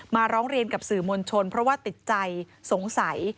ร้องเรียนกับสื่อมวลชนเพราะว่าติดใจสงสัย